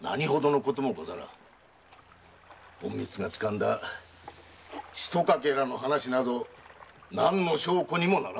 隠密がつかんだひとかけらの話など何の証拠にもならぬ。